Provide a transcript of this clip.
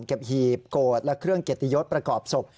เก็บหีบโกฎและเครื่องเกติยศประกอบศพ